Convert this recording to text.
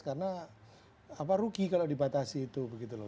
karena apa rugi kalau dibatasi itu begitu loh